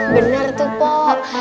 bener tuh pok